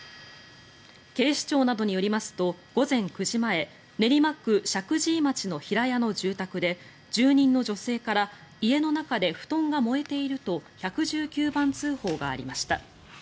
警視庁などによりますと午前９時前練馬区石神井町の平屋の住宅で住人の女性から家の中で布団が燃えていると１１９番通報がありました。